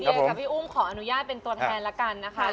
กับพี่อุ้มขออนุญาตเป็นตัวแทนละกันนะคะ